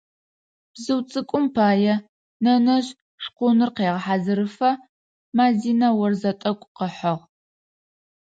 Бзыу цӏыкӏум пае нэнэжъ шкъуныр къегъэхьазырыфэ Мадинэ орзэ тӏэкӏу къыхьыгъ.